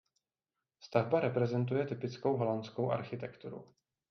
Stavba reprezentuje typickou holandskou architekturu.